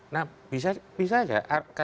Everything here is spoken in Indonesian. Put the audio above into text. nah bisa aja